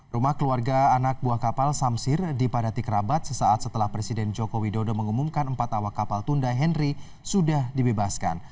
rumah keluarga anak buah kapal samsir dipadati kerabat sesaat setelah presiden joko widodo mengumumkan empat awak kapal tunda henry sudah dibebaskan